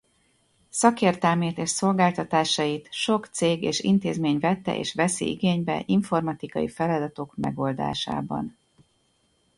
Szakértelmét és szolgáltatásait sok cég és intézmény vette és veszi igénybe informatikai feladatok megoldásában.